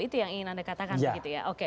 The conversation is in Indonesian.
itu yang ingin anda katakan begitu ya